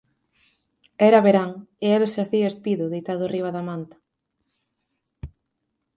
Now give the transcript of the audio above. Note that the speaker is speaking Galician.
Era verán, e el xacía espido, deitado riba da manta.